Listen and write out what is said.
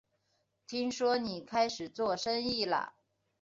听说你开始做生意了